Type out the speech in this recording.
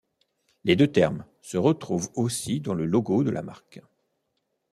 Les deux termes se retrouvent aussi dans le logo de la marque.